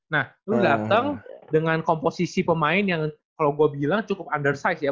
nah lu datang dengan komposisi pemain yang kalau gue bilang cukup undersized ya